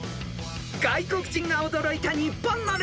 ［外国人が驚いた日本の歴史名所］